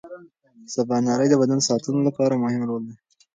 سباناري د بدن ساعتونو لپاره مهمه رول لري.